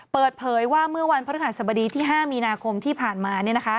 เปิดเผยว่าเมื่อวันพระฤหัสบดีที่๕มีนาคมที่ผ่านมา